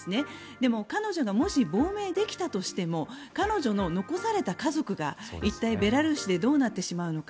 でも、彼女がもし亡命できたとしても彼女の残された家族が一体、ベラルーシでどうなってしまうのか。